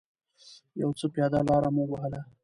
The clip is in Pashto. یو څه پیاده لاره مو و وهله.